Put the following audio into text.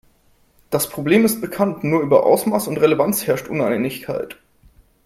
Das Problem ist bekannt, nur über Ausmaß und Relevanz herrscht Uneinigkeit.